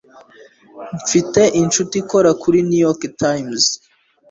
mfite inshuti ikora kuri new york times